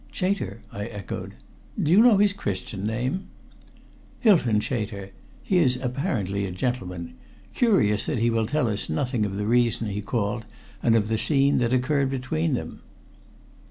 "Chater." I echoed. "Do you know his Christian name?" "Hylton Chater. He is apparently a gentleman. Curious that he will tell us nothing of the reason he called, and of the scene that occurred between them."